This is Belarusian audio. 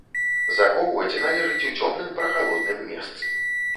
Захоўваць належыць у цёмным прахалодным месцы.